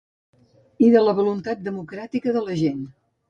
I de la voluntat democràtica de la gent.